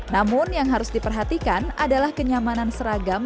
namun yang harus diperhatikan adalah kenyamanan seragam